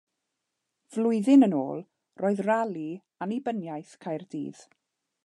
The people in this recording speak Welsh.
Flwyddyn yn ôl roedd rali annibyniaeth Caerdydd.